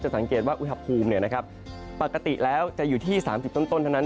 จะสังเกตว่าวิทยาลัยภูมิปกติแล้วจะอยู่ที่๓๐ต้นทั้งนั้น